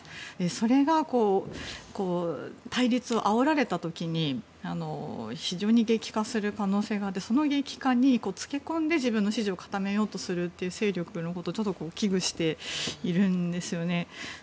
それが対立をあおられた時に非常に激化する可能性があってその激化に付け込んで自分の支持を固めようという勢力のことをちょっと危惧しているんですよね。